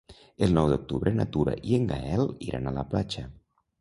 El nou d'octubre na Tura i en Gaël iran a la platja.